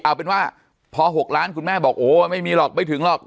เอาเป็นว่าพอ๖ล้านคุณแม่บอกโอ้ไม่มีหรอกไม่ถึงหรอก